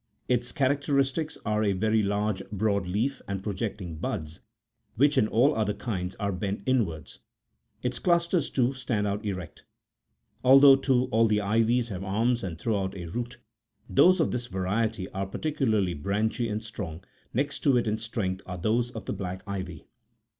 Its characteristics are, a very large, broad, leaf, and projecting buds, which in all the other kinds are bent inwards; its clusters, too, stand out erect. Although, too, all the ivies have arms that throw out a root, those of this variety are particularly branchy and strong ; next to it in strength, are those of the black ivy.